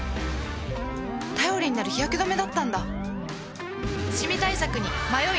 頼りになる日焼け止めだったんだ